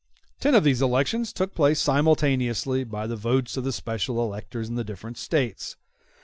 Ten of these elections took place simultaneously by the votes of the special electors in the different States.